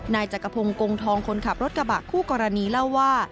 นายจักรพงศ์กงทองคนขับรถกระบะคู่กรณีเล่าว่า